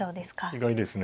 意外ですね。